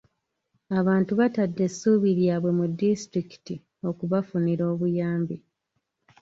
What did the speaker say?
Abantu batadde essuubi lyabwe mu disitulikiti okubafunira obuyambi.